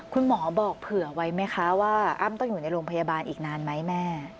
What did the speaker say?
คุณหมอบอกเผื่อไว้ไหมคะว่าอ้ำต้องอยู่ในโรงพยาบาลอีกนานไหมแม่